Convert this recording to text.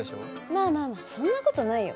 まあまあまあそんな事ないよ。